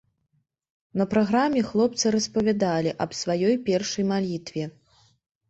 На праграме хлопцы распавядалі аб сваёй першай малітве.